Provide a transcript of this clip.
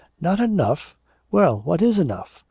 'Not enough! Well, what is enough?